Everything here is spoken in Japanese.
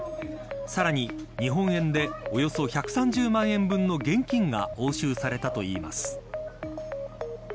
さらに、日本円でおよそ１３０万円分の現金が押収されたといいます。